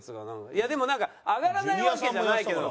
いやでもなんか上がらないわけじゃないけど。